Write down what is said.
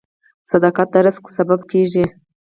• صداقت د رزق سبب کیږي.